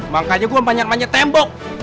makanya gue banyak manjat tembok